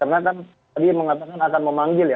karena kan tadi mengatakan akan memanggil ya